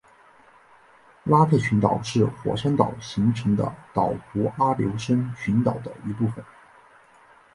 拉特群岛是火山岛形成的岛弧阿留申群岛的一部分。